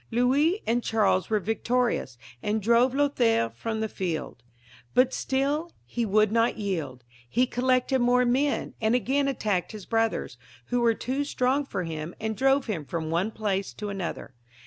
Louis and Charles were victorious, and drove Lothaire from the field. But still he would not yield ; he collected more men, and again attacked his brothers, who were too strong for him, and drove him from one place to another.